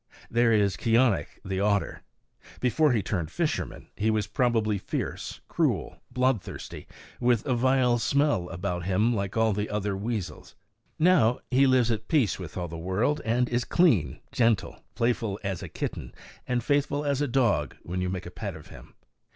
There is Keeonekh the otter. Before he turned fisherman he was probably fierce, cruel, bloodthirsty, with a vile smell about him, like all the other weasels. Now he lives at peace with all the world and is clean, gentle, playful as a kitten and faithful as a dog when you make a pet of him.